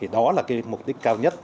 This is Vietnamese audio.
đó là mục đích cao nhất